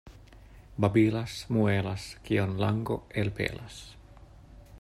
Babilas, muelas, kion lango elpelas.